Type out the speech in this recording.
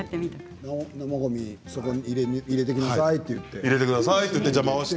生ごみをそこに入れてきなさいと言って。